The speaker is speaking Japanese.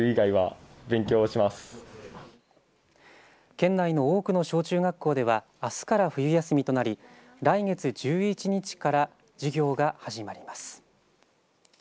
県内の多くの小中学校ではあすから冬休みとなり来月１１日から授業が始まります。